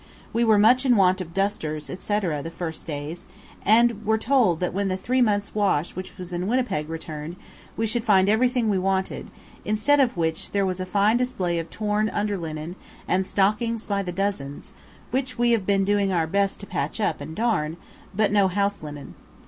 We were much in want of dusters, etc., the first days, and were told that when the three months' wash which was in Winnipeg returned we should find everything we wanted, instead of which there was a fine display of torn under linen, and stockings by the dozens, which we have been doing our best to patch up and darn, but no house linen.